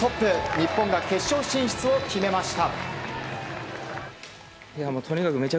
日本が決勝進出を決めました。